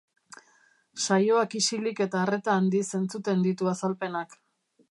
Saioak isilik eta arreta handiz entzuten ditu azalpenak.